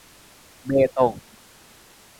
เบตง